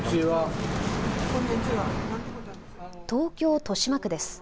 東京豊島区です。